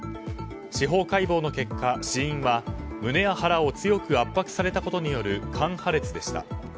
司法解剖の結果、死因は胸や腹を強く圧迫されたことによる肝破裂でした。